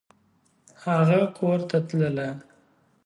هغه کورته تلله !